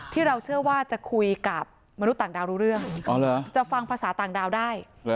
ที่เราเชื่อว่าจะคุยกับมนุษย์ต่างดาวรู้เรื่องจะฟังภาษาต่างดาวได้